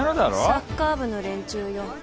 サッカー部の連中よ。